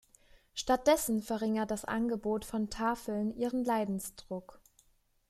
Stattdessen verringert das Angebot von Tafeln ihren Leidensdruck.